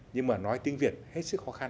nhưng mà nói tiếng việt hết sức khó khăn